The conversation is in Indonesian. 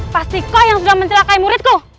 pasti kau yang sudah mencelakai muridku